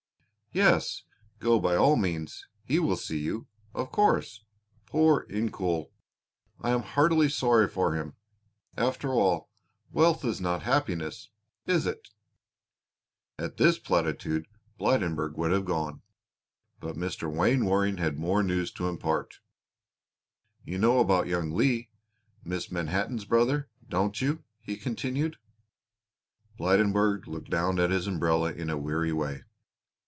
"Yes, go by all means; he will see you, of course. Poor Incoul! I am heartily sorry for him. After all, wealth is not happiness, is it?" At this platitude Blydenburg would have gone, but Mr. Wainwaring had more news to impart. "You know about young Leigh, Mrs. Manhattan's brother, don't you?" he continued. Blydenburg looked down at his umbrella in a weary way.